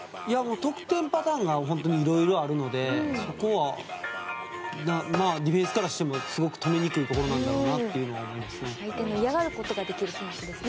得点パターンが本当にいろいろあるのでそこはディフェンスからしてもすごく止めにくいんだろうなと思います。